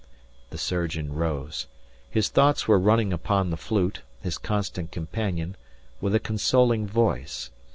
The surgeon rose. His thoughts were running upon the flute, his constant companion, with a consoling voice.